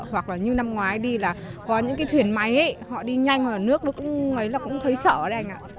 hoặc là như năm ngoái đi là có những cái thuyền máy họ đi nhanh và nước nó cũng thấy sợ đấy anh ạ